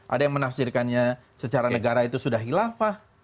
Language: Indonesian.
ada yang menafsirkannya secara negara itu sudah hilafah